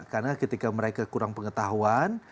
karena ketika mereka kurang pengetahuan